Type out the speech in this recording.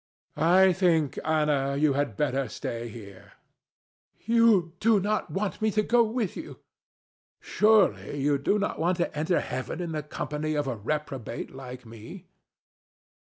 DON JUAN. I think, Ana, you had better stay here. ANA. [jealously] You do not want me to go with you. DON JUAN. Surely you do not want to enter Heaven in the company of a reprobate like me.